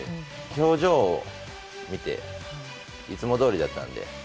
表情を見ていつもどおりだったんで。